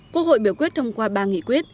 quốc hội biểu quyết thông qua ba nghị quyết